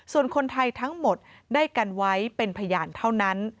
ส่วนคนไทยทั้งหมดได้กันไว้เป็นพยานเท่านั้น